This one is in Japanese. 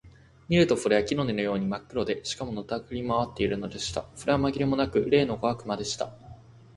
見るとそれは木の根のようにまっ黒で、しかも、のたくり廻っているのでした。それはまぎれもなく、例の小悪魔でした。